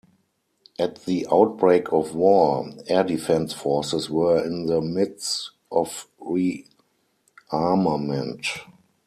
At the outbreak of war, air defence forces were in the midst of rearmament.